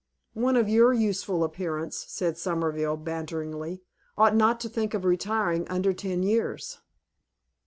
"One of your youthful appearance," said Solmerville, banteringly, "ought not to think of retiring under ten years."